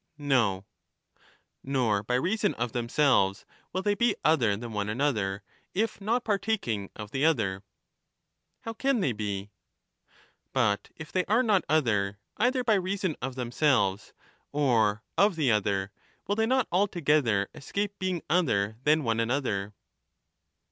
No. Nor by reason of themselves will they be other than one another, if not partaking of the other. 147 How can they be? But if they are not other, either by reason of themselves Digitized by VjOOQIC yet the same; 75 or of the other, will they not altogether escape being other Par than one another?